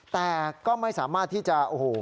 แต่ก็ไม่สามารถที่จะ